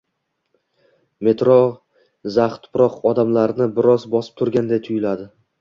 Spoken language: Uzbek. Metroq zax tuproq odamlarni biroz bosib turganday tuyuladi.